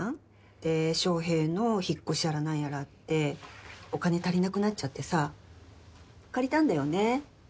で翔平の引っ越しやら何やらあってお金足りなくなっちゃってさ借りたんだよね。